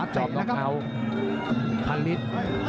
จอบของเขาพันลิตร